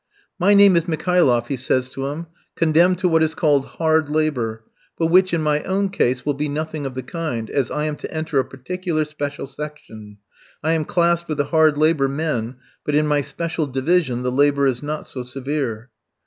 "My name is Mikhailoff," he says to him, "condemned to what is called hard labour, but which, in my own case, will be nothing of the kind, as I am to enter a particular special section. I am classed with the hard labour men, but in my special division the labour is not so severe."